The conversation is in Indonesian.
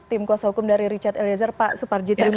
tim kuasa hukum dari richard eliezer pak suparji terima kasih